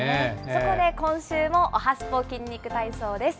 そこで今週もおはＳＰＯ筋肉体操です。